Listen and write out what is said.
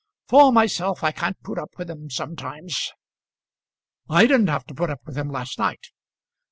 For myself, I can't put up with him sometimes." "I didn't have to put up with him last night."